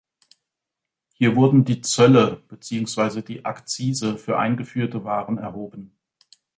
Hier wurden die Zölle beziehungsweise die Akzise für eingeführte Waren erhoben.